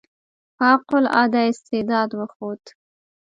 فوق العاده استعداد وښود.